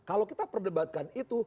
kalau kita perdebatkan itu